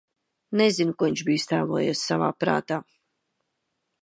Nezinu, ko viņš bija iztēlojies savā prātā.